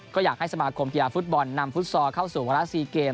ก็อยากให้สมาคมกีฬาฟุตบอลนำฟุตซอลเข้าสู่วาระ๔เกม